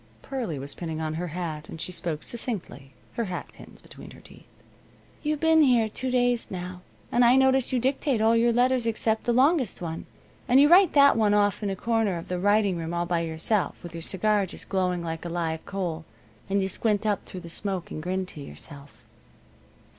Pearlie was pinning on her hat, and she spoke succinctly, her hatpins between her teeth: "You've been here two days now, and I notice you dictate all your letters except the longest one, and you write that one off in a corner of the writing room all by yourself, with your cigar just glowing like a live coal, and you squint up through the smoke, and grin to yourself."